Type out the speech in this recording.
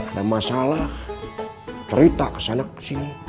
ada masalah cerita kesana kesini